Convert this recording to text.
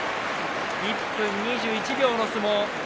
１分２１秒の相撲。